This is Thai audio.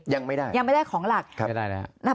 ยังไม่ได้ครับไม่ได้เลยครับยังไม่ได้ของหลัก